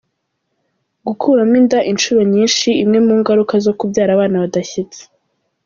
Gukuramo inda inshuro nyinshi imwe mu ngaruka zo kubyara abana badashyitse